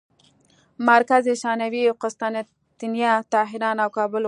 مرکز ثانوي یې قسطنطنیه، طهران او کابل وو.